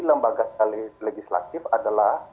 lembaga legislatif adalah